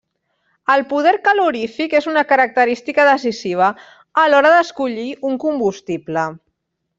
El poder calorífic és una característica decisiva a l'hora d'escollir un combustible.